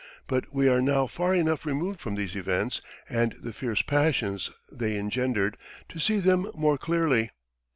But we are now far enough removed from these events, and the fierce passions they engendered, to see them more clearly.